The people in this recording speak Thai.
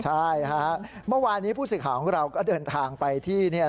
ใช่มันวานนี้ผู้สิขาของเราก็เดินทางไปที่